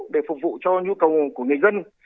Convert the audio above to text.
để phục vụ cho nhu cầu của người dân